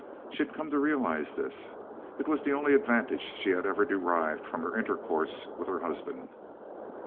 She had come to realize this. It was the only advantage she had ever derived from her intercourse with her husband.